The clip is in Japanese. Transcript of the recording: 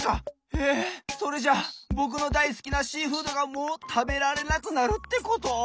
えっそれじゃぼくのだいすきなシーフードがもうたべられなくなるってこと！？